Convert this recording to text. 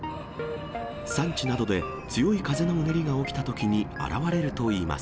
山地などで強い風のうねりが起きたときに現れるといいます。